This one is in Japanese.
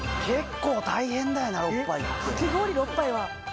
・えっかき氷６杯は・